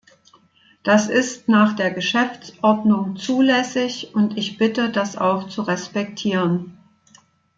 Das ist nach der Geschäftsordnung zulässig, und ich bitte, das auch zu respektieren.